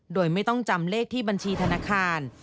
โดยไม่ต้องจำเลขที่บัญชีธนาคาร